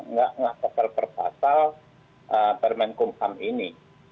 nggak ngasal pasal permen hukum ham ini